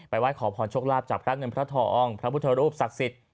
ไห้ขอพรโชคลาภจากพระเงินพระทองพระพุทธรูปศักดิ์สิทธิ์